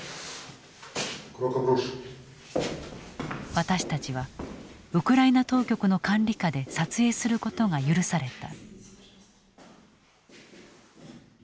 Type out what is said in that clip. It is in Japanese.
私たちはウクライナ当局の管理下で撮影することが許された。